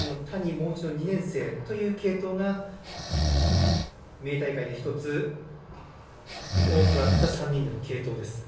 そして、３人目で１１番の谷２年生という継投が三重大会で１つ多くあった３人での継投です。